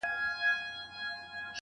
o له دغي لويي وچي وځم.